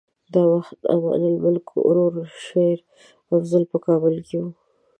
دا وخت د امان الملک ورور شېر افضل په کابل کې و.